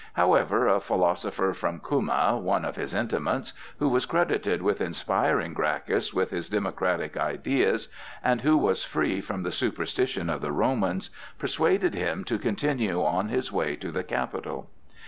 However, a philosopher from Cuma, one of his intimates, who was credited with inspiring Gracchus with his democratic ideas and who was free from the superstition of the Romans, persuaded him to continue on his way to the Capitol.